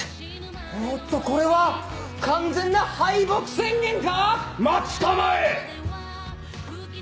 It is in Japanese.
おっとこれは完全な敗北宣言か⁉待ちたまえ！